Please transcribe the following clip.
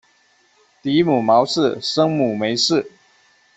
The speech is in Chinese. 嫡母毛氏；生母梅氏。